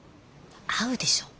会うでしょ？